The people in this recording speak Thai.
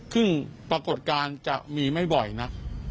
ซึ่งปรากฏการณ์จะมีไม่บ่อยนัก